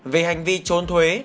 về hành vi trốn thuế